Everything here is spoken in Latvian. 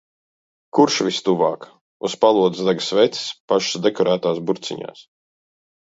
Kurš vistuvāk. Uz palodzes deg sveces pašas dekorētās burciņās.